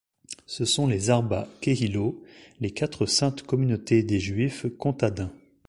Ce sont les Arba Kehilot, les quatre saintes communautés des juifs comtadins.